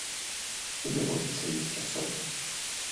І даводзіцца есці асобна.